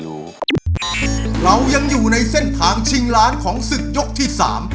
เรายังอยู่ในเส้นทางชิงล้านของศึกยกที่สาม